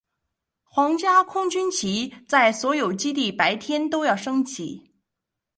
皇家空军旗在所有基地白天都要升起。